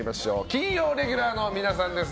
金曜レギュラーの皆さんです。